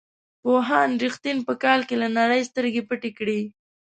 پوهاند رښتین په کال کې له نړۍ سترګې پټې کړې.